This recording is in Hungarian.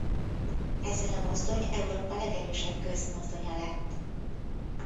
Ezzel a mozdony Európa legerősebb gőzmozdonya lett.